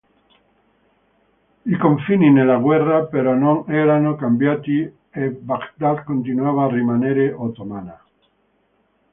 I confini nella guerra però non erano cambiati e Baghdad continuava a rimanere ottomana.